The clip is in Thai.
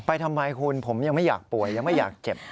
ทำไมคุณผมยังไม่อยากป่วยยังไม่อยากเจ็บ